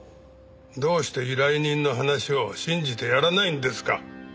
どうして依頼人の話を信じてやらないんですか？